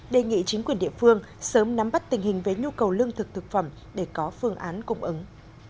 đề nghị chính quyền địa phương sớm nắm bắt tình hình với nhu cầu lương thực thực phẩm để có phương án cung ứng